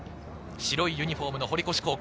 白いユニホーム、堀越高校。